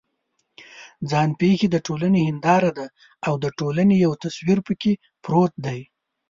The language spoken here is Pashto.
ځان پېښې د ټولنې هنداره ده او د ټولنې یو تصویر پکې پروت دی.